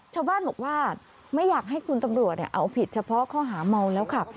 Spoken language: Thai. ชาวบ้านบอกว่าไม่อยากให้คุณตำรวจเอาผิดเฉพาะข้อหาเมาแล้วขับ